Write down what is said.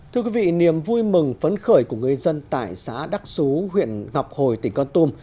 thưa quý vị niềm vui mừng phấn khởi của người dân tại xã đắc xú huyện ngọc hồi tỉnh con tum